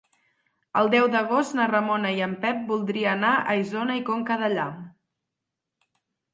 El deu d'agost na Ramona i en Pep voldria anar a Isona i Conca Dellà.